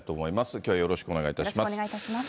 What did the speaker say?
きょうはよろしくお願いいたします。